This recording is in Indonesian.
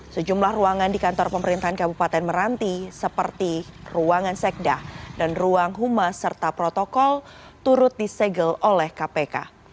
sejumlah ruangan di kantor pemerintahan kabupaten meranti seperti ruangan sekda dan ruang humas serta protokol turut disegel oleh kpk